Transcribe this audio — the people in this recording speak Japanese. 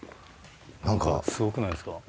何かすごくないですか？